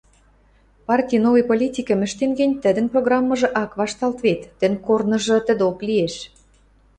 — Парти новый политикӹм ӹштен гӹнь, тӹдӹн программыжы ак вашталт вет, тӹнг корныжы тӹдок лиэш.